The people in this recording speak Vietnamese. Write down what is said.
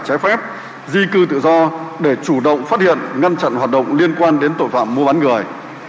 trái phép di cư tự do để chủ động phát hiện ngăn chặn hoạt động liên quan đến tội phạm mua bán người